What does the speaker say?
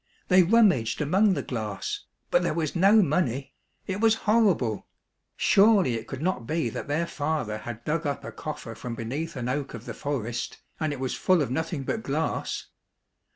They rum maged among the glass, but there was no money. It was horrible ! Surely it could not be that their father had dug up a coffer from beneath an oak of the forest and it was full of nothing but glass